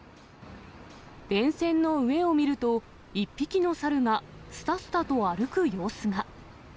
電線の上を見ると、１匹のサルが、すたすたと歩く様子が。